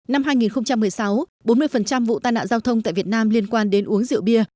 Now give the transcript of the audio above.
năm hai nghìn một mươi sáu bốn mươi vụ tai nạn giao thông tại việt nam liên quan đến uống rượu bia